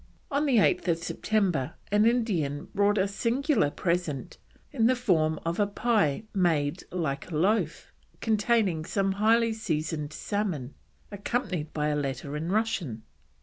On 8th September an Indian brought a singular present in the form of a pie made like a loaf, containing some highly seasoned salmon, accompanied by a letter in Russian.